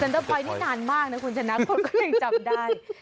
เซ็นเตอร์พอยต์นี่นานมากนะคุณฉะนั้นคนก็ไม่จำได้